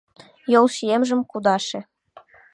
Йолчиемжым кудаше.